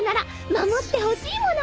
守ってほしいもの。